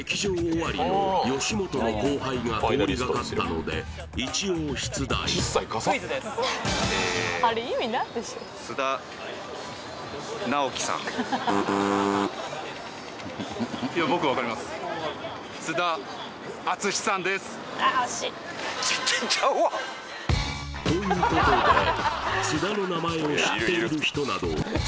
終わりの吉本の後輩が通りがかったので一応出題クイズですということでシメ